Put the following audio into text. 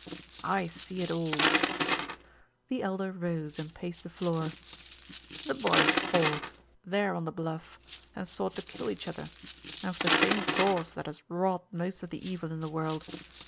I see it all." The Elder rose and paced the floor. "The boys fought, there on the bluff, and sought to kill each other, and for the same cause that has wrought most of the evil in the world.